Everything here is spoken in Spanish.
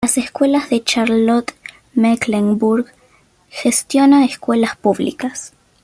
Las Escuelas de Charlotte-Mecklenburg gestiona escuelas públicas.